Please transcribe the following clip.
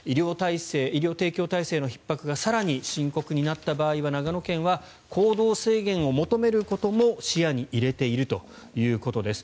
医療提供体制のひっ迫が更に深刻になった場合は長野県は行動制限を求めることも視野に入れているということです。